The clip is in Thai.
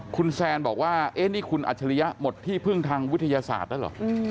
คุณแซนบอกว่านี่คุณอัจฉริยะหมดที่พึ่งทางวิทยาศาสตร์แล้วเหรอ